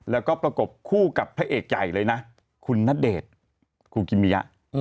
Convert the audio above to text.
แล้วก็ประกบคู่กับพระเอกใหญ่เลยนะคุณณเดชน์คูกิมิยะ